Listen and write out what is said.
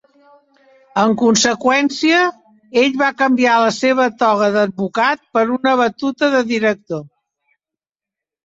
En conseqüència, ell va canviar la seva "toga" d"advocat per una batuta de director.